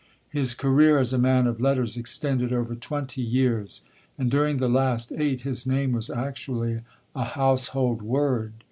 His career as a man of letters extended over twenty years; and during the last eight his name was actually a household word.